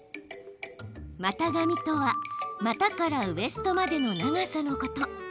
股上とは、股からウエストまでの長さのこと。